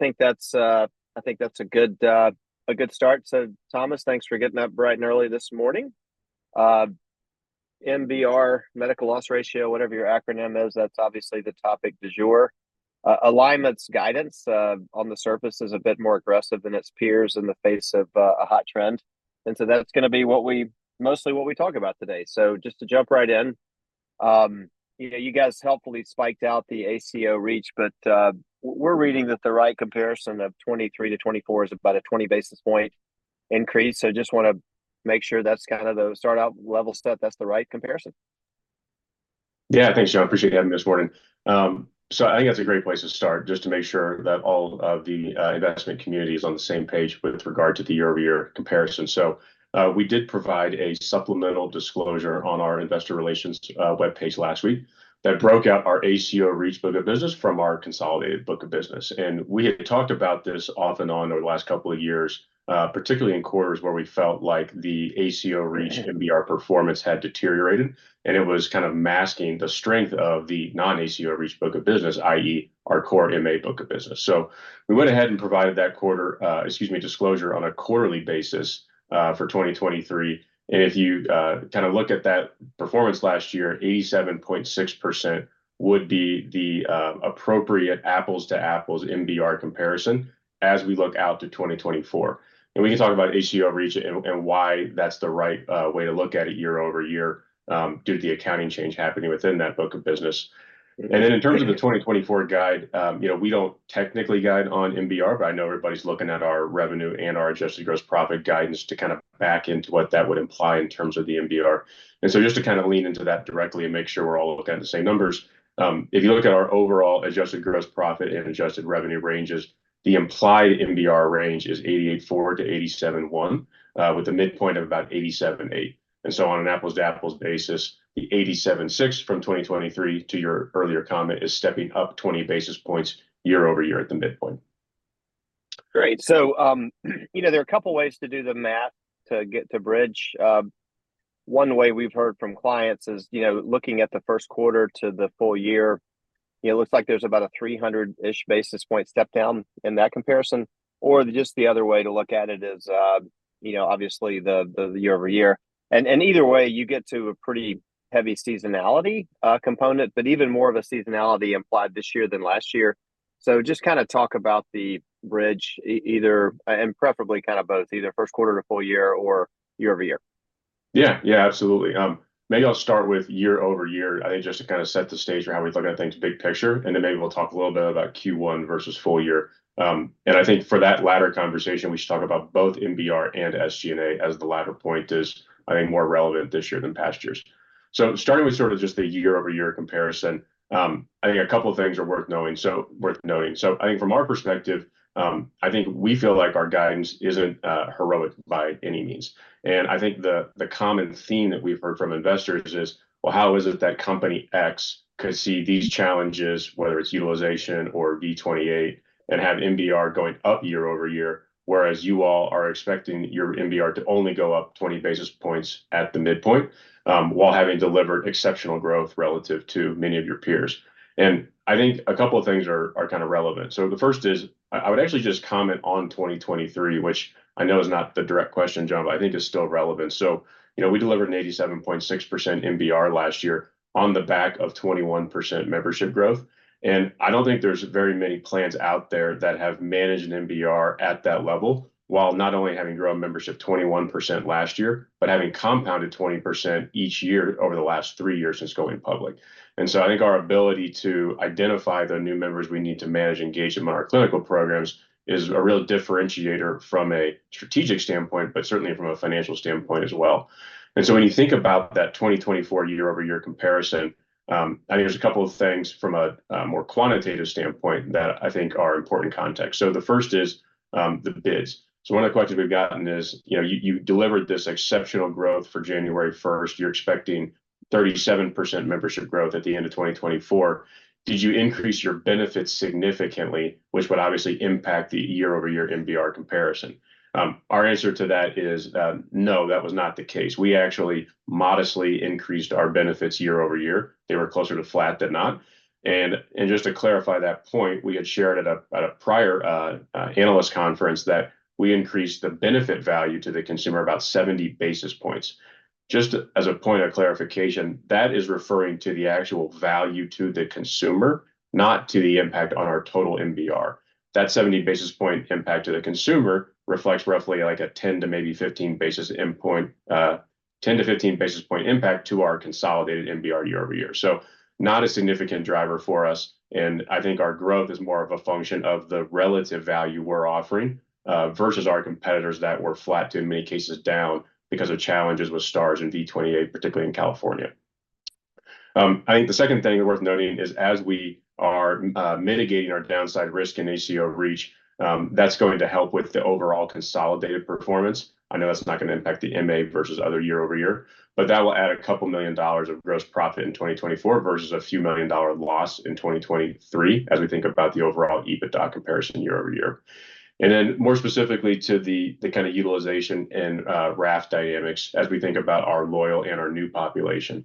I think that's a good start. So, Thomas, thanks for getting up bright and early this morning. MBR, Medical Loss Ratio, whatever your acronym is, that's obviously the topic du jour. Alignment's guidance, on the surface is a bit more aggressive than its peers in the face of a hot trend. And so that's going to be what we mostly talk about today. So just to jump right in, you know, you guys helpfully spelled out the ACO REACH, but we're reading that the right comparison of 2023 to 2024 is about a 20 basis point increase. So just want to make sure that's kind of the start-out level set, that's the right comparison. Yeah, thanks, Joe. Appreciate you having me this morning. So I think that's a great place to start, just to make sure that all of the investment community is on the same page with regard to the year-over-year comparison. So, we did provide a supplemental disclosure on our investor relations web page last week that broke out our ACO REACH book of business from our consolidated book of business. And we had talked about this off and on over the last couple of years, particularly in quarters where we felt like the ACO REACH MBR performance had deteriorated, and it was kind of masking the strength of the non-ACO REACH book of business, i.e., our core MA book of business. So we went ahead and provided that quarter, excuse me, disclosure on a quarterly basis, for 2023. If you kind of look at that performance last year, 87.6% would be the appropriate apples-to-apples MBR comparison as we look out to 2024. We can talk about ACO REACH and why that's the right way to look at it year-over-year, due to the accounting change happening within that book of business. In terms of the 2024 guide, you know, we don't technically guide on MBR, but I know everybody's looking at our revenue and our adjusted gross profit guidance to kind of back into what that would imply in terms of the MBR. Just to kind of lean into that directly and make sure we're all looking at the same numbers, if you look at our overall adjusted gross profit and adjusted revenue ranges, the implied MBR range is 88.4%-87.1%, with a midpoint of about 87.8%. On an apples-to-apples basis, the 87.6 from 2023 to your earlier comment is stepping up 20 basis points year-over-year at the midpoint. Great. So, you know, there are a couple of ways to do the math to get to bridge. One way we've heard from clients is, you know, looking at the first quarter to the full year, you know, it looks like there's about a 300-ish basis point step down in that comparison. Or just the other way to look at it is, you know, obviously the year-over-year. And either way, you get to a pretty heavy seasonality component, but even more of a seasonality implied this year than last year. So just kind of talk about the bridge either, and preferably kind of both, either first quarter to full year or year-over-year. Yeah, yeah, absolutely. Maybe I'll start with year-over-year, I think, just to kind of set the stage for how we look at things big picture, and then maybe we'll talk a little bit about Q1 versus full year. And I think for that latter conversation, we should talk about both MBR and SG&A as the latter point is, I think, more relevant this year than past years. So starting with sort of just the year-over-year comparison, I think a couple of things are worth knowing, so worth noting. So I think from our perspective, I think we feel like our guidance isn't heroic by any means. I think the common theme that we've heard from investors is, well, how is it that company X could see these challenges, whether it's utilization or V28, and have MBR going up year-over-year, whereas you all are expecting your MBR to only go up 20 basis points at the midpoint, while having delivered exceptional growth relative to many of your peers? I think a couple of things are kind of relevant. The first is, I would actually just comment on 2023, which I know is not the direct question, Joe, but I think it's still relevant. You know, we delivered an 87.6% MBR last year on the back of 21% membership growth. And I don't think there's very many plans out there that have managed an MBR at that level while not only having grown membership 21% last year, but having compounded 20% each year over the last three years since going public. And so I think our ability to identify the new members we need to manage, engage them in our clinical programs is a real differentiator from a strategic standpoint, but certainly from a financial standpoint as well. And so when you think about that 2024 year-over-year comparison, I think there's a couple of things from a more quantitative standpoint that I think are important context. So the first is, the bids. So one of the questions we've gotten is, you know, you delivered this exceptional growth for January 1st. You're expecting 37% membership growth at the end of 2024. Did you increase your benefits significantly, which would obviously impact the year-over-year MBR comparison? Our answer to that is, no, that was not the case. We actually modestly increased our benefits year-over-year. They were closer to flat than not. And just to clarify that point, we had shared at a prior analyst conference that we increased the benefit value to the consumer about 70 basis points. Just as a point of clarification, that is referring to the actual value to the consumer, not to the impact on our total MBR. That 70 basis point impact to the consumer reflects roughly like a 10 to maybe 15 basis point, 10-15 basis point impact to our consolidated MBR year-over-year. So not a significant driver for us. I think our growth is more of a function of the relative value we're offering, versus our competitors that were flat to, in many cases, down because of challenges with STARS and V28, particularly in California. I think the second thing worth noting is as we are mitigating our downside risk in ACO REACH, that's going to help with the overall consolidated performance. I know that's not going to impact the MA versus other year-over-year, but that will add $2 million of gross profit in 2024 versus a $3 million-dollar loss in 2023 as we think about the overall EBITDA comparison year-over-year. And then more specifically to the kind of utilization and RAF dynamics as we think about our loyal and our new population.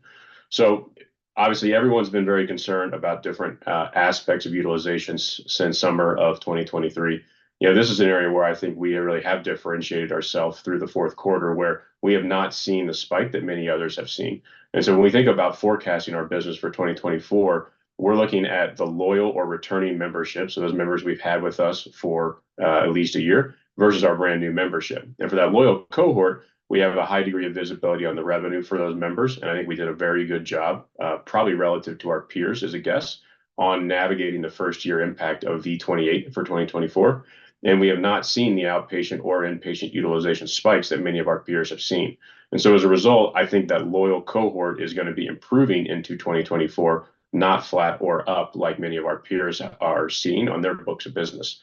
So obviously, everyone's been very concerned about different aspects of utilizations since summer of 2023. You know, this is an area where I think we really have differentiated ourselves through the fourth quarter where we have not seen the spike that many others have seen. And so when we think about forecasting our business for 2024, we're looking at the loyal or returning membership, so those members we've had with us for, at least a year, versus our brand new membership. And for that loyal cohort, we have a high degree of visibility on the revenue for those members. And I think we did a very good job, probably relative to our peers, is a guess, on navigating the first-year impact of V28 for 2024. And we have not seen the outpatient or inpatient utilization spikes that many of our peers have seen. So as a result, I think that loyal cohort is going to be improving into 2024, not flat or up like many of our peers are seeing on their books of business.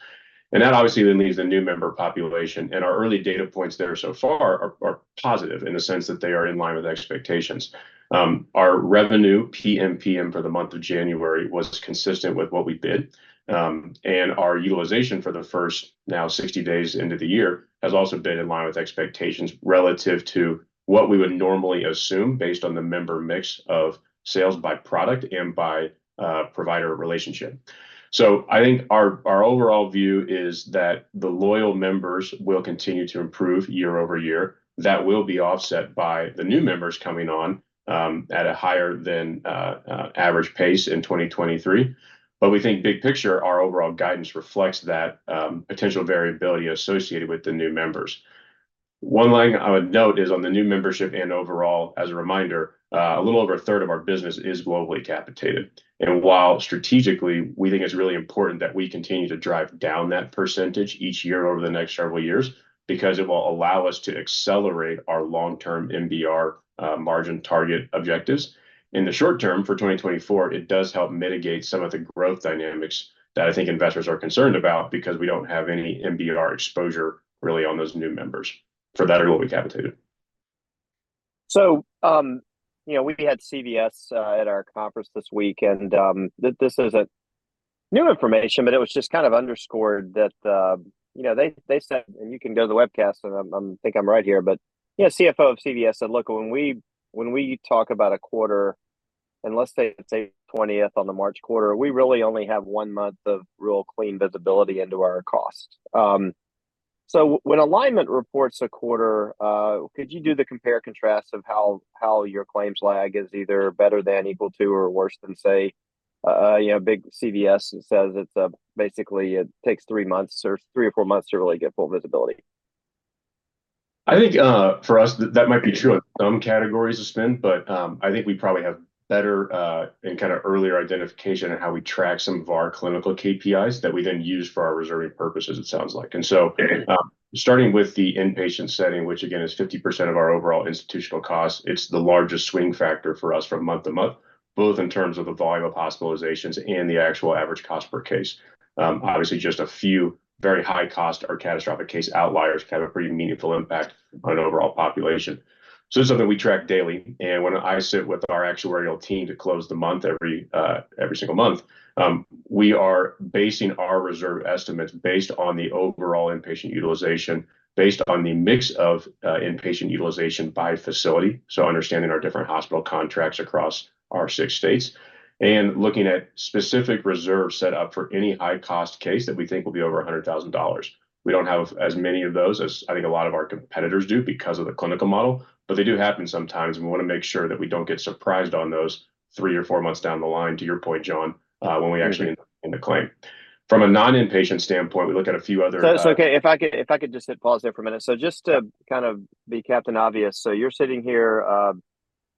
That obviously then leaves the new member population. And our early data points there so far are positive in the sense that they are in line with expectations. Our revenue PM/PM for the month of January was consistent with what we bid. And our utilization for the first now 60 days into the year has also been in line with expectations relative to what we would normally assume based on the member mix of sales by product and by provider relationship. So I think our overall view is that the loyal members will continue to improve year-over-year. That will be offset by the new members coming on, at a higher than average pace in 2023. But we think big picture, our overall guidance reflects that potential variability associated with the new members. One line I would note is on the new membership and overall, as a reminder, a little over a third of our business is globally capitated. And while strategically, we think it's really important that we continue to drive down that percentage each year over the next several years because it will allow us to accelerate our long-term MBR margin target objectives. In the short term for 2024, it does help mitigate some of the growth dynamics that I think investors are concerned about because we don't have any MBR exposure really on those new members. For that are what we capitated. So, you know, we had CVS at our conference this week, and this isn't new information, but it was just kind of underscored that, you know, they said, and you can go to the webcast, and I think I'm right here, but, you know, CFO of CVS said, "Look, when we talk about a quarter, and let's say it's April 20th on the March quarter, we really only have one month of real clean visibility into our cost." So when Alignment reports a quarter, could you do the compare-contrast of how your claims lag is either better than equal to or worse than, say, you know, big CVS says it's basically it takes three months or three or four months to really get full visibility? I think, for us, that might be true of some categories of spend, but I think we probably have better, and kind of earlier identification of how we track some of our clinical KPIs that we then use for our reserving purposes, it sounds like. So, starting with the inpatient setting, which again is 50% of our overall institutional costs, it's the largest swing factor for us from month to month, both in terms of the volume of hospitalizations and the actual average cost per case. Obviously, just a few very high-cost or catastrophic case outliers can have a pretty meaningful impact on an overall population. So this is something we track daily. And when I sit with our actuarial team to close the month every, every single month, we are basing our reserve estimates based on the overall inpatient utilization, based on the mix of, inpatient utilization by facility, so understanding our different hospital contracts across our six states, and looking at specific reserves set up for any high-cost case that we think will be over $100,000. We don't have as many of those as I think a lot of our competitors do because of the clinical model, but they do happen sometimes. And we want to make sure that we don't get surprised on those three or four months down the line, to your point, Jonah, when we actually end up in the claim. From a non-inpatient standpoint, we look at a few other, So that's okay. If I could just hit pause there for a minute. Just to kind of be Captain Obvious, you're sitting here,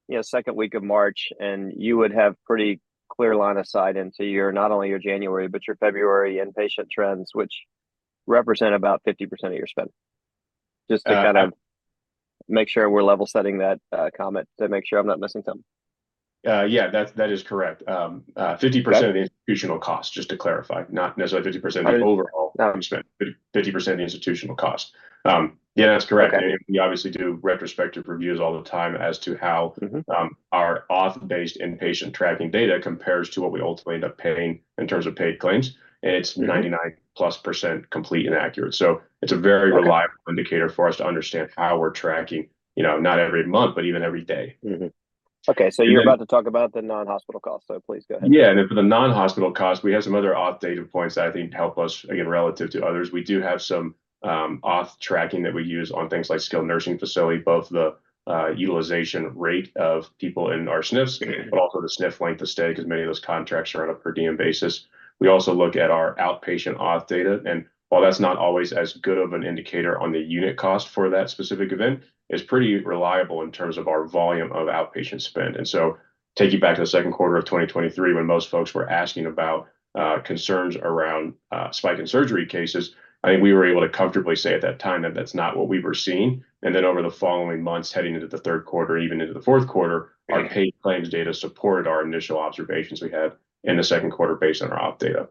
you know, second week of March, and you would have pretty clear line of sight into not only your January, but your February inpatient trends, which represent about 50% of your spend. Just to kind of make sure we're level setting that, comment to make sure I'm not missing something. Yeah, that's, that is correct. 50% of the institutional cost, just to clarify, not necessarily 50% of the overall. Right. No. spend. 50% of the institutional cost. Yeah, that's correct. Okay. We obviously do retrospective reviews all the time as to how our auth-based inpatient tracking data compares to what we ultimately end up paying in terms of paid claims. It's 99+% complete and accurate. It's a very reliable indicator for us to understand how we're tracking, you know, not every month, but even every day. Mm-hmm. Okay. So you're about to talk about the non-hospital cost, so please go ahead. Yeah. Then for the non-hospital cost, we have some other auth data points that I think help us, again, relative to others. We do have some auth tracking that we use on things like skilled nursing facility, both the utilization rate of people in our SNFs, but also the SNF length of stay because many of those contracts are on a per diem basis. We also look at our outpatient auth data. While that's not always as good of an indicator on the unit cost for that specific event, it's pretty reliable in terms of our volume of outpatient spend. So take you back to the second quarter of 2023 when most folks were asking about concerns around spike in surgery cases, I think we were able to comfortably say at that time that that's not what we were seeing. Then over the following months, heading into the third quarter, even into the fourth quarter, our paid claims data supported our initial observations we had in the second quarter based on our auth data.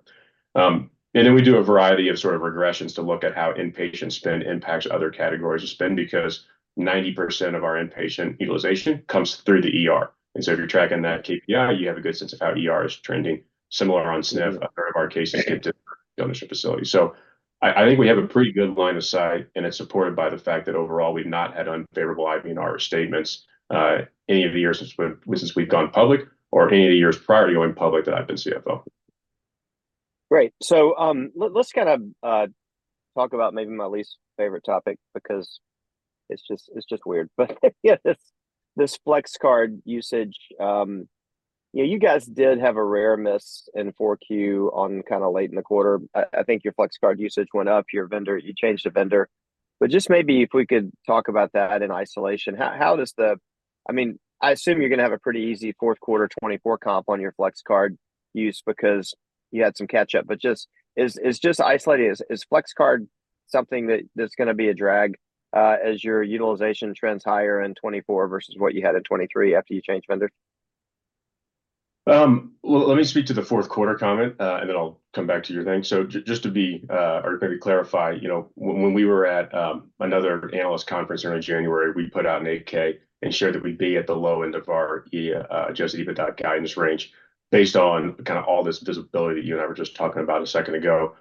And then we do a variety of sort of regressions to look at how inpatient spend impacts other categories of spend because 90% of our inpatient utilization comes through the. And so if you're tracking that KPI, you have a good sense of how is trending. Similar on SNF, a third of our cases get delivered to skilled nursing facilities. So I, I think we have a pretty good line of sight, and it's supported by the fact that overall, we've not had unfavorable IBNR statements, any of the years since we've, since we've gone public or any of the years prior to going public that I've been CFO. Great. So, let's kind of talk about maybe my least favorite topic because it's just, it's just weird. But yeah, this FlexCard usage, you know, you guys did have a rare miss in 4Q on kind of late in the quarter. I think your FlexCard usage went up. Your vendor, you changed a vendor. But just maybe if we could talk about that in isolation, how does the, I mean, I assume you're going to have a pretty easy fourth quarter 2024 comp on your FlexCard use because you had some catch-up. But just isolating, is FlexCard something that's going to be a drag, as your utilization trends higher in 2024 versus what you had in 2023 after you changed vendors? Well, let me speak to the fourth quarter comment, and then I'll come back to your thing. So just to be, or maybe clarify, you know, when we were at another analyst conference early January, we put out an 8-K and shared that we'd be at the low end of our adjusted EBITDA guidance range based on kind of all this visibility that you and I were just talking about a second ago.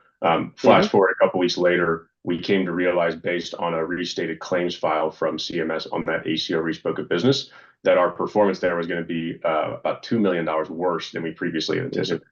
Flash forward a couple weeks later, we came to realize based on a restated claims file from CMS on that ACO REACH book of business that our performance there was going to be about $2 million worse than we previously had anticipated.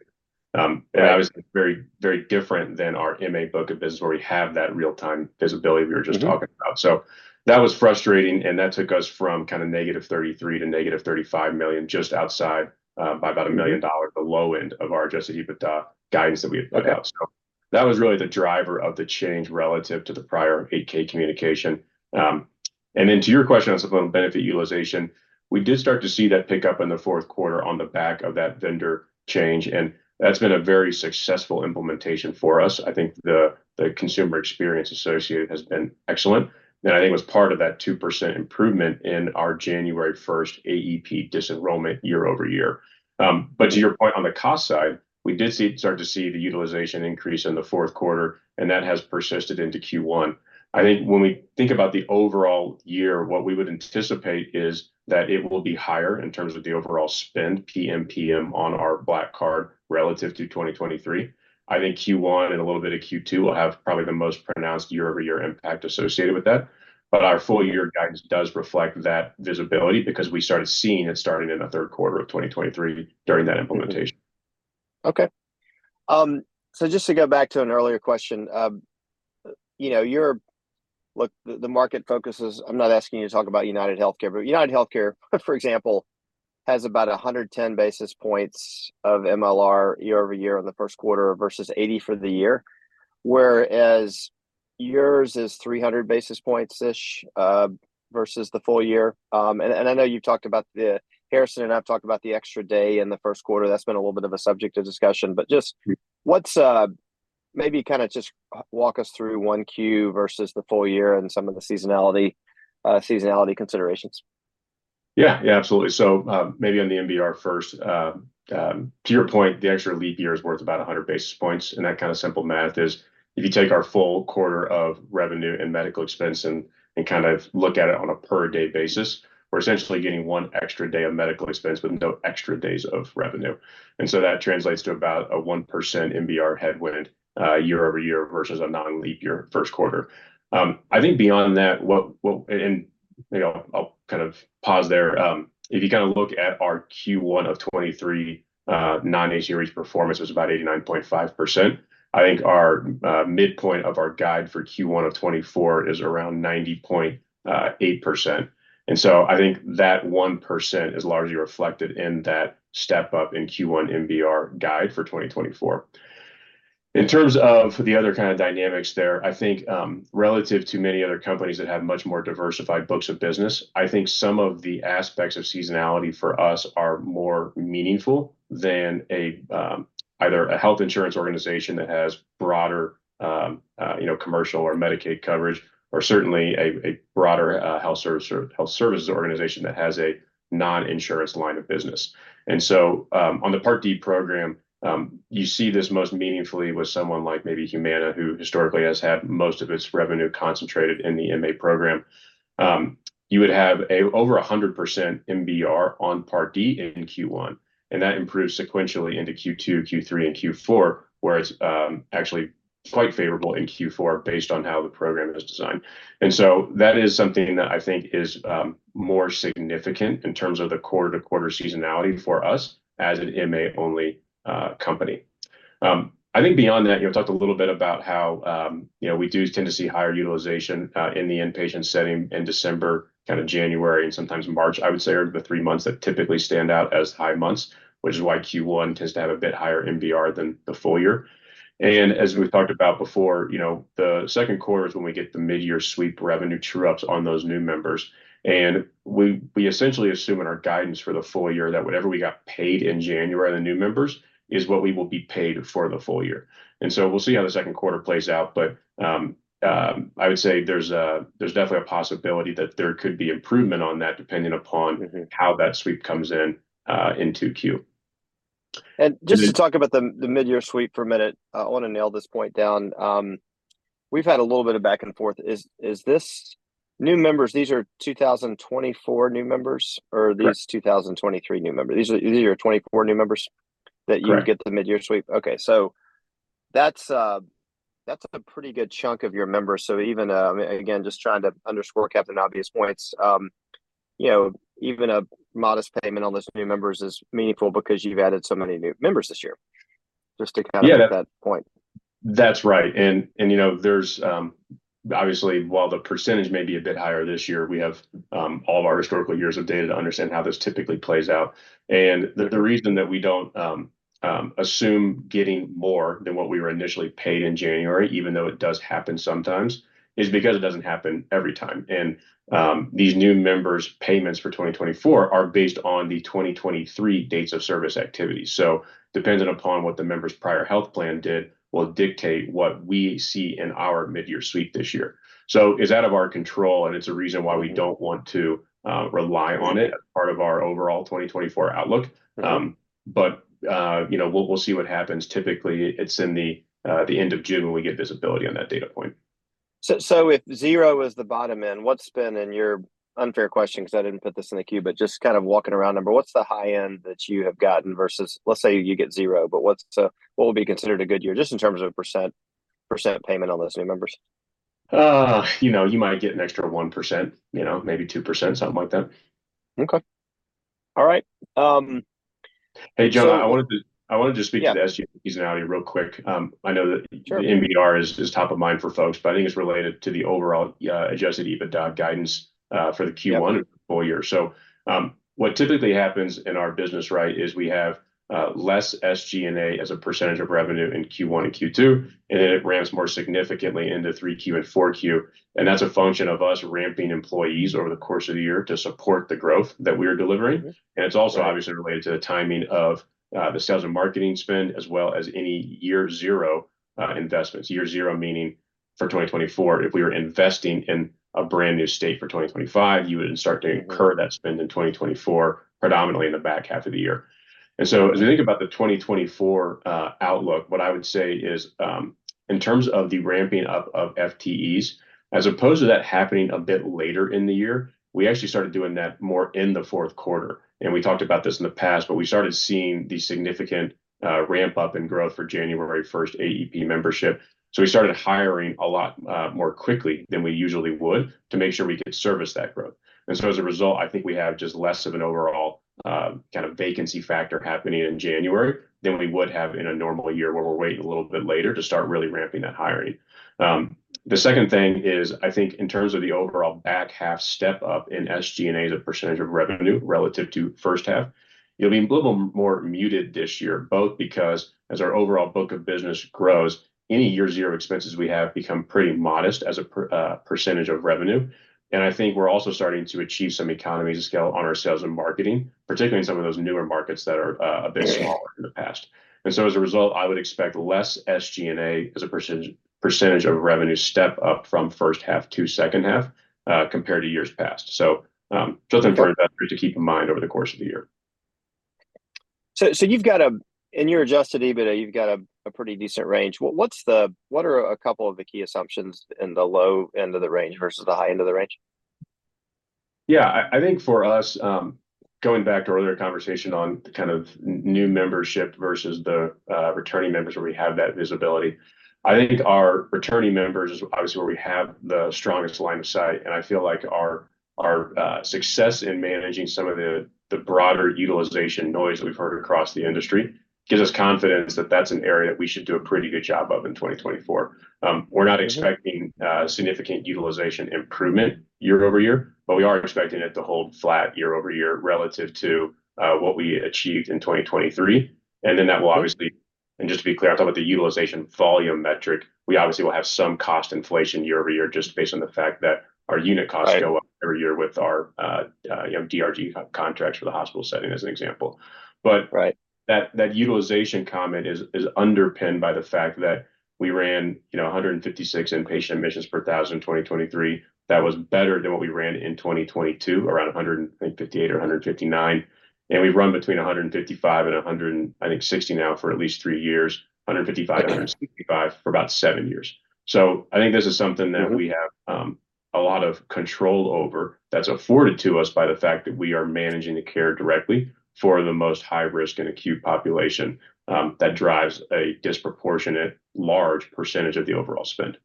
And obviously, it's very, very different than our MA book of business where we have that real-time visibility we were just talking about. So that was frustrating, and that took us from kind of -$33 million to -$35 million, just outside, by about $1 million, the low end of our Adjusted EBITDA guidance that we had put out. So that was really the driver of the change relative to the prior 8-K communication. And then to your question on supplemental benefit utilization, we did start to see that pickup in the fourth quarter on the back of that vendor change. And that's been a very successful implementation for us. I think the consumer experience associated has been excellent. And I think it was part of that 2% improvement in our January 1st AEP disenrollment year-over-year. But to your point, on the cost side, we did start to see the utilization increase in the fourth quarter, and that has persisted into Q1. I think when we think about the overall year, what we would anticipate is that it will be higher in terms of the overall spend PM/PM on our FlexCard relative to 2023. I think Q1 and a little bit of Q2 will have probably the most pronounced year-over-year impact associated with that. But our full-year guidance does reflect that visibility because we started seeing it starting in the third quarter of 2023 during that implementation. Okay. So just to go back to an earlier question, you know, you're looking at the market's focus, I'm not asking you to talk about UnitedHealthcare, but UnitedHealthcare, for example, has about 110 basis points of MLR year-over-year in the first quarter versus 80 for the year, whereas yours is 300 basis points-ish versus the full year. And I know you've talked about the harvest and I've talked about the extra day in the first quarter. That's been a little bit of a subject of discussion. But just what's, maybe kind of just walk us through 1Q versus the full year and some of the seasonality considerations. Yeah. Yeah, absolutely. So, maybe on the MBR first, to your point, the extra leap year is worth about 100 basis points. And that kind of simple math is if you take our full quarter of revenue and medical expense and kind of look at it on a per-day basis, we're essentially getting one extra day of medical expense with no extra days of revenue. And so that translates to about a 1% MBR headwind, year-over-year versus a non-leap year first quarter. I think beyond that, you know, I'll kind of pause there. If you kind of look at our Q1 of 2023, non-ACO REACH performance was about 89.5%. I think our midpoint of our guide for Q1 of 2024 is around 90.8%. And so I think that 1% is largely reflected in that step up in Q1 MBR guide for 2024. In terms of the other kind of dynamics there, I think, relative to many other companies that have much more diversified books of business, I think some of the aspects of seasonality for us are more meaningful than a, either a health insurance organization that has broader, you know, commercial or Medicaid coverage or certainly a, a broader, health service or health services organization that has a non-insurance line of business. And so, on the Part D program, you see this most meaningfully with someone like maybe Humana, who historically has had most of its revenue concentrated in the MA program. You would have a over 100% MBR on Part D in Q1. And that improves sequentially into Q2, Q3, and Q4, where it's, actually quite favorable in Q4 based on how the program is designed. And so that is something that I think is more significant in terms of the quarter-to-quarter seasonality for us as an MA-only company. I think beyond that, you know, we talked a little bit about how, you know, we do tend to see higher utilization in the inpatient setting in December, kind of January, and sometimes March, I would say, are the three months that typically stand out as high months, which is why Q1 tends to have a bit higher MBR than the full year. And as we've talked about before, you know, the second quarter is when we get the midyear sweep revenue true-ups on those new members. And we essentially assume in our guidance for the full year that whatever we got paid in January on the new members is what we will be paid for the full year. So we'll see how the second quarter plays out. But I would say there's definitely a possibility that there could be improvement on that depending upon how that sweep comes in, in 2Q. Just to talk about the Midyear Sweep for a minute, I want to nail this point down. We've had a little bit of back and forth. Is this new members these are 2024 new members, or are these 2023 new members? These are 2024 new members that you get the Midyear Sweep? Right. Okay. So that's a pretty good chunk of your members. So even, I mean, again, just trying to underscore, captain obvious points, you know, even a modest payment on those new members is meaningful because you've added so many new members this year. Just to kind of get that point. Yeah. That's right. And you know, there's obviously, while the percentage may be a bit higher this year, we have all of our historical years of data to understand how this typically plays out. And the reason that we don't assume getting more than what we were initially paid in January, even though it does happen sometimes, is because it doesn't happen every time. And these new members' payments for 2024 are based on the 2023 dates of service activity. So dependent upon what the member's prior health plan did will dictate what we see in our Midyear Sweep this year. So it's out of our control, and it's a reason why we don't want to rely on it as part of our overall 2024 outlook. But you know, we'll see what happens. Typically, it's in the end of June when we get visibility on that data point. So if 0 is the bottom end, what's been in your unfair question because I didn't put this in the Q, but just kind of walking around number, what's the high end that you have gotten versus let's say you get 0, but what would be considered a good year just in terms of a percent, percent payment on those new members? You know, you might get an extra 1%, you know, maybe 2%, something like that. Okay. All right. Hey, Jonah, I wanted to speak to the SG&A seasonality real quick. I know that. Sure. The MBR is top of mind for folks, but I think it's related to the overall Adjusted EBITDA guidance for the Q1 and the full year. So, what typically happens in our business, right, is we have less SG&A as a percentage of revenue in Q1 and Q2, and then it ramps more significantly into 3Q and 4Q. And that's a function of us ramping employees over the course of the year to support the growth that we are delivering. And it's also obviously related to the timing of the sales and marketing spend as well as any year zero investments. Year zero meaning for 2024, if we were investing in a brand new state for 2025, you would start to incur that spend in 2024 predominantly in the back half of the year. As we think about the 2024 outlook, what I would say is, in terms of the ramping up of FTEs, as opposed to that happening a bit later in the year, we actually started doing that more in the fourth quarter. We talked about this in the past, but we started seeing the significant ramp-up and growth for January 1st AEP membership. We started hiring a lot more quickly than we usually would to make sure we could service that growth. As a result, I think we have just less of an overall kind of vacancy factor happening in January than we would have in a normal year where we're waiting a little bit later to start really ramping that hiring. The second thing is, I think, in terms of the overall back half step up in SG&A as a percentage of revenue relative to first half, it'll be a little bit more muted this year, both because as our overall book of business grows, any year zero expenses we have become pretty modest as a percentage of revenue. And I think we're also starting to achieve some economies of scale on our sales and marketing, particularly in some of those newer markets that are a bit smaller in the past. And so as a result, I would expect less SG&A as a percentage of revenue step up from first half to second half, compared to years past. So, something for investors to keep in mind over the course of the year. So, you've got, in your Adjusted EBITDA, a pretty decent range. What are a couple of the key assumptions in the low end of the range versus the high end of the range? Yeah. I think for us, going back to earlier conversation on the kind of new membership versus the returning members where we have that visibility, I think our returning members is obviously where we have the strongest line of sight. And I feel like our success in managing some of the broader utilization noise that we've heard across the industry gives us confidence that that's an area that we should do a pretty good job of in 2024. We're not expecting significant utilization improvement year-over-year, but we are expecting it to hold flat year-over-year relative to what we achieved in 2023. And then that will obviously and just to be clear, I talked about the utilization volume metric. We obviously will have some cost inflation year over year just based on the fact that our unit costs go up every year with our, you know, DRG contracts for the hospital setting as an example. But. Right. That utilization comment is underpinned by the fact that we ran, you know, 156 inpatient admissions per thousand in 2023. That was better than what we ran in 2022, around 158 or 159. And we've run between 155 and 160 now for at least three years, 155-165 for about seven years. So I think this is something that we have a lot of control over that's afforded to us by the fact that we are managing the care directly for the most high-risk and acute population that drives a disproportionate large percentage of the overall spend.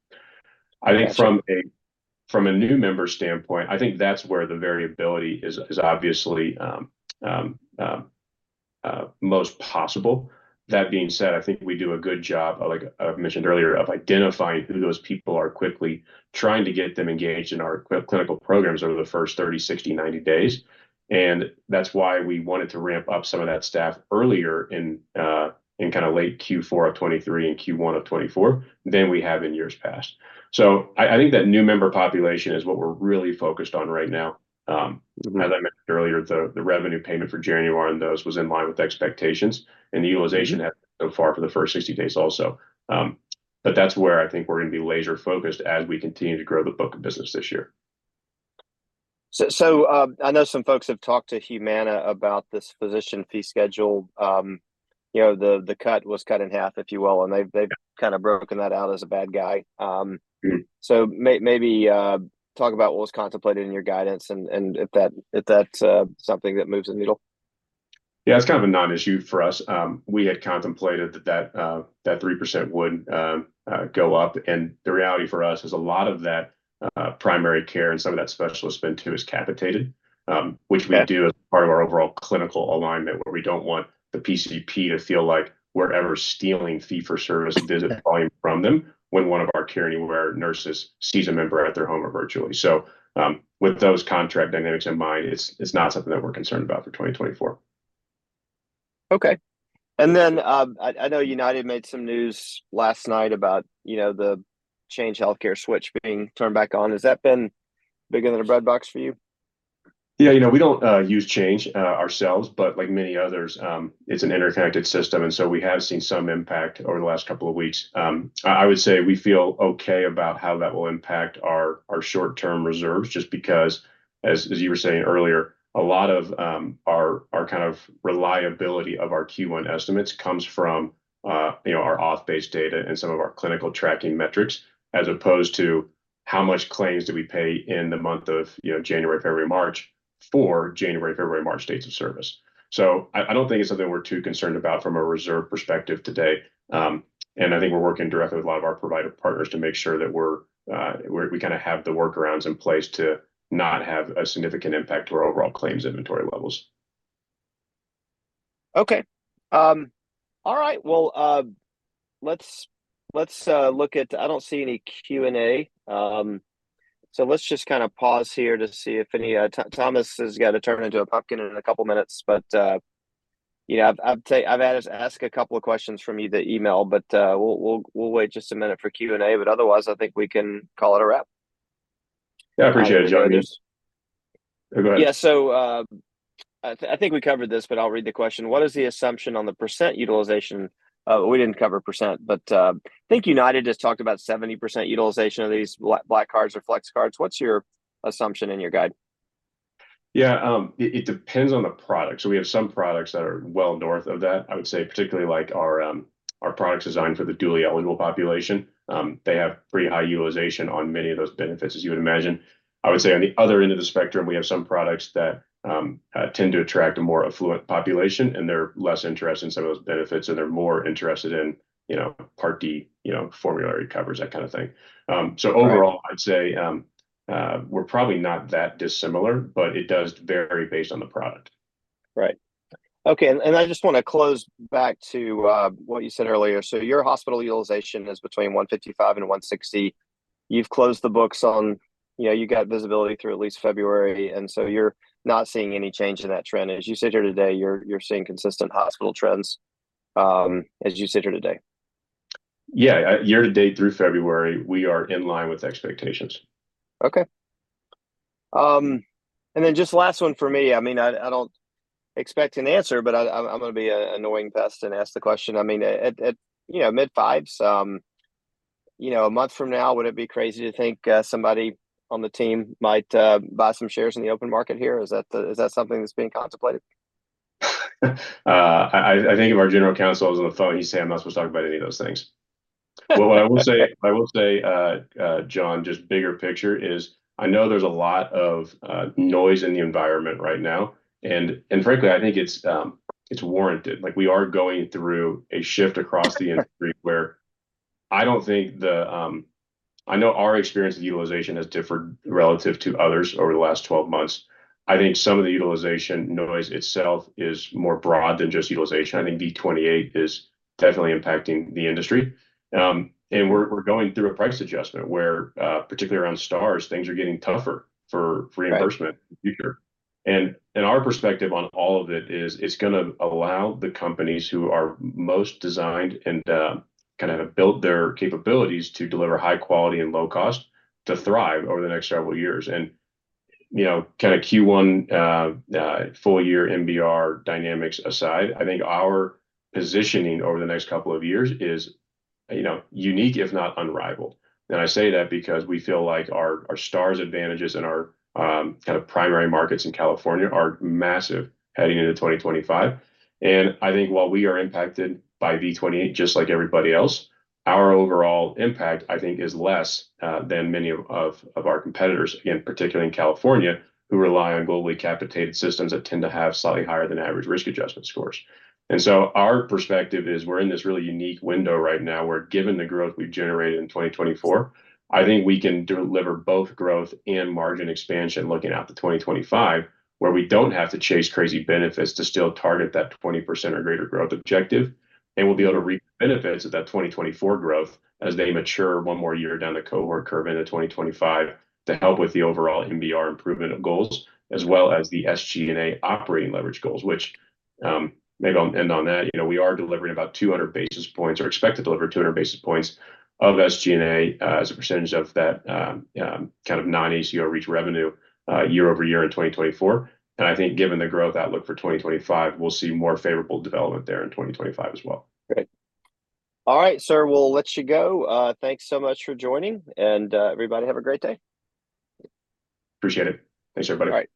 I think from a new member standpoint, I think that's where the variability is, obviously, most possible. That being said, I think we do a good job, like I've mentioned earlier, of identifying who those people are quickly, trying to get them engaged in our clinical programs over the first 30, 60, 90 days. That's why we wanted to ramp up some of that staff earlier in kind of late Q4 of 2023 and Q1 of 2024 than we have in years past. I think that new member population is what we're really focused on right now. As I mentioned earlier, the revenue payment for January on those was in line with expectations, and the utilization has been so far for the first 60 days also. That's where I think we're going to be laser-focused as we continue to grow the book of business this year. So, I know some folks have talked to Humana about this physician fee schedule. You know, the cut was cut in half, if you will, and they've kind of broken that out as a bad guy. So maybe talk about what was contemplated in your guidance and if that's something that moves the needle. Yeah. It's kind of a non-issue for us. We had contemplated that 3% would go up. And the reality for us is a lot of that primary care and some of that specialist spend too is capitated, which we do as part of our overall clinical alignment where we don't want the PCP to feel like we're ever stealing fee-for-service visit volume from them when one of our Care Anywhere nurses sees a member at their home or virtually. So, with those contract dynamics in mind, it's not something that we're concerned about for 2024. Okay. And then, I know United made some news last night about, you know, the Change Healthcare switch being turned back on. Has that been bigger than a breadbox for you? Yeah. You know, we don't use Change ourselves, but like many others, it's an interconnected system. And so we have seen some impact over the last couple of weeks. I would say we feel okay about how that will impact our short-term reserves just because, as you were saying earlier, a lot of our kind of reliability of our Q1 estimates comes from, you know, our auth-based data and some of our clinical tracking metrics as opposed to how much claims do we pay in the month of, you know, January, February, March for January, February, March dates of service. So I don't think it's something we're too concerned about from a reserve perspective today. I think we're working directly with a lot of our provider partners to make sure that we kind of have the workarounds in place to not have a significant impact to our overall claims inventory levels. Okay. All right. Well, let's look at. I don't see any Q&A. So let's just kind of pause here to see if any Thomas has got to turn into a pumpkin in a couple of minutes. But, you know, I've asked a couple of questions from you via email, but, we'll wait just a minute for Q&A. But otherwise, I think we can call it a wrap. Yeah. I appreciate it, Jonah. You go ahead. Yeah. So, I think we covered this, but I'll read the question. What is the assumption on the percent utilization of? We didn't cover percent, but, I think United has talked about 70% utilization of these Flex, Flex cards or Flex cards. What's your assumption in your guide? Yeah. It, it depends on the product. So we have some products that are well north of that, I would say, particularly like our, our products designed for the dual eligible population. They have pretty high utilization on many of those benefits, as you would imagine. I would say on the other end of the spectrum, we have some products that tend to attract a more affluent population, and they're less interested in some of those benefits, and they're more interested in, you know, Part D, you know, formulary covers, that kind of thing. So overall, I'd say, we're probably not that dissimilar, but it does vary based on the product. Right. Okay. And I just want to close back to what you said earlier. So your hospital utilization is between 155 and 160. You've closed the books on, you know, you got visibility through at least February. And so you're not seeing any change in that trend. As you sit here today, you're seeing consistent hospital trends, as you sit here today? Yeah. Year to date through February, we are in line with expectations. Okay. And then just last one for me. I mean, I don't expect an answer, but I'm going to be an annoying pest and ask the question. I mean, at, you know, mid-fives, you know, a month from now, would it be crazy to think somebody on the team might buy some shares in the open market here? Is that something that's being contemplated? I think of our general counsel on the phone. He's saying I'm not supposed to talk about any of those things. What I will say, Jonah, just bigger picture is I know there's a lot of noise in the environment right now. And frankly, I think it's warranted. Like, we are going through a shift across the industry where I don't think, I know our experience of utilization has differed relative to others over the last 12 months. I think some of the utilization noise itself is more broad than just utilization. I think V28 is definitely impacting the industry. And we're going through a price adjustment where, particularly around STARS, things are getting tougher for reimbursement in the future. And our perspective on all of it is it's going to allow the companies who are most designed and, kind of have built their capabilities to deliver high quality and low cost to thrive over the next several years. And, you know, kind of Q1, full-year MBR dynamics aside, I think our positioning over the next couple of years is, you know, unique, if not unrivaled. And I say that because we feel like our, our STARS advantages and our, kind of primary markets in California are massive heading into 2025. And I think while we are impacted by V28 just like everybody else, our overall impact, I think, is less than many of our competitors, again, particularly in California, who rely on globally capitated systems that tend to have slightly higher than average risk adjustment scores. Our perspective is we're in this really unique window right now where, given the growth we've generated in 2024, I think we can deliver both growth and margin expansion looking out to 2025 where we don't have to chase crazy benefits to still target that 20% or greater growth objective. We'll be able to reap the benefits of that 2024 growth as they mature one more year down the cohort curve into 2025 to help with the overall MBR improvement of goals as well as the SG&A operating leverage goals, which, maybe I'll end on that. You know, we are delivering about 200 basis points or expect to deliver 200 basis points of SG&A, as a percentage of that, kind of non-ACO REACH revenue, year-over-year in 2024. I think given the growth outlook for 2025, we'll see more favorable development there in 2025 as well. Great. All right, sir. We'll let you go. Thanks so much for joining. Everybody, have a great day. Appreciate it. Thanks, everybody. All right. Bye.